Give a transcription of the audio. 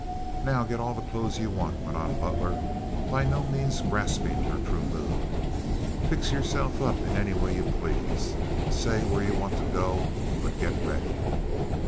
"Now get all the clothes ye want," went on Butler, by no means grasping her true mood. "Fix yourself up in any way you plase. Say where ye want to go, but get ready."